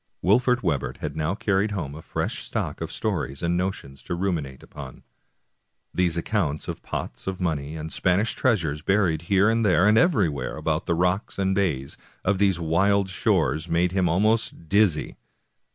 Wolfert Webber had now carried home a fresh stock of stories and notions to ruminate upon. These accounts of pots of money and Spanish treasures, buried here and there and everywhere about the rocks and bays of these wild shores, made him almost dizzy.